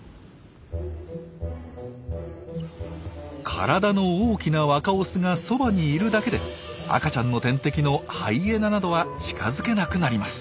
体の大きな若オスがそばにいるだけで赤ちゃんの天敵のハイエナなどは近づけなくなります。